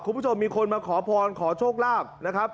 คุณผู้ชมมีคนมาขอพรขอโชคลาภนะครับ